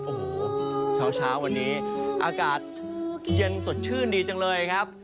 โอ้โหเช้าวันนี้อากาศเย็นสดชื่นดีจังเลยครับ